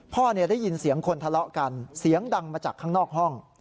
ได้ยินเสียงคนทะเลาะกันเสียงดังมาจากข้างนอกห้อง